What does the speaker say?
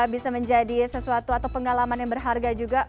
bisa menjadi sesuatu atau pengalaman yang berharga juga